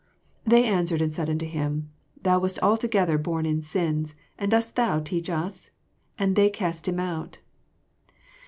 34 They answered and said onto him, Thou wast altogether bom in sins, and dost thou teach us? And they cast him out.